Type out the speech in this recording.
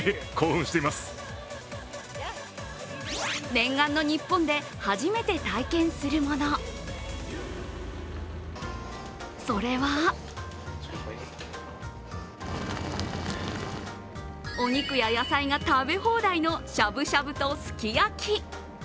念願のニッポンで初めて体験するもの、それはお肉や野菜が食べ放題のしゃぶしゃぶと、すき焼き。